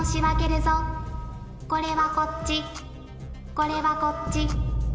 これはこっち。